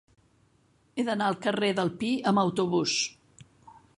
He d'anar al carrer del Pi amb autobús.